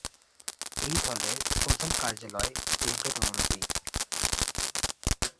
এই দলের প্রধান কার্যালয় টেমপ্লেটঅনুলিপি।